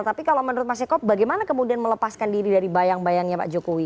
tapi kalau menurut mas eko bagaimana kemudian melepaskan diri dari bayang bayangnya pak jokowi